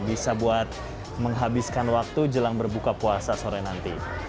bisa buat menghabiskan waktu jelang berbuka puasa sore nanti